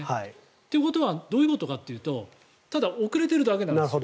ということはどういうことかというとただ遅れてるだけなんです。